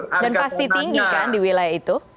dan pasti tinggi kan di wilayah itu